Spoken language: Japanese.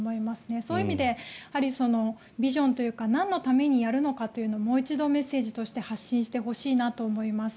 そういう意味でビジョンというかなんのためにやるのかというのをもう一度メッセージとして発信してほしいなと思います。